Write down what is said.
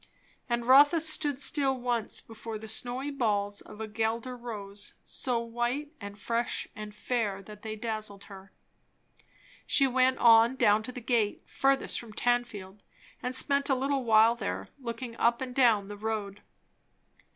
And Rotha stood still once before the snowy balls of a Guelder rose, so white and fresh and fair that they dazzled her. She went on, down to the gate furthest from Tanfield, and spent a little while there, looking up and down the road.